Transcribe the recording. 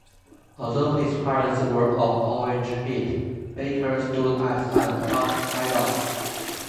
Although his parents were of average height, Baker stood as an adult.